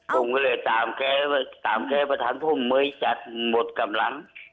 ผมก็เลยตามแกตามแกไปทางพ่อเมย์จัดหมดกำลัง